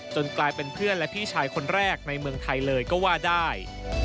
กลายเป็นเพื่อนและพี่ชายคนแรกในเมืองไทยเลยก็ว่าได้